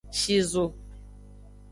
Shizo.